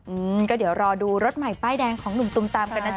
อืมก็เดี๋ยวรอดูรถใหม่ป้ายแดงของหนุ่มตุมตามกันนะจ